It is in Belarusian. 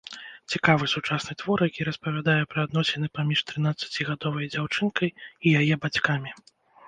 Цікавы сучасны твор, які распавядае пра адносіны паміж трынаццацігадовай дзяўчынкай і яе бацькамі.